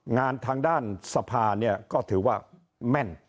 งานทางด้านสภาเนี่ยก็ถือว่าแม่น